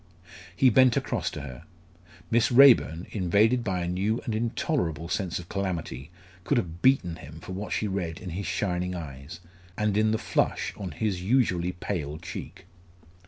He bent across to her. Miss Raeburn, invaded by a new and intolerable sense of calamity, could have beaten him for what she read in his shining eyes, and in the flush on his usually pale cheek.